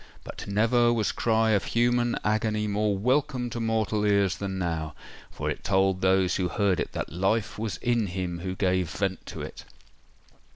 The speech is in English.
But never was cry of human agony more welcome to mortal ears than now; for it told those who heard it that life was in him who gave vent to it!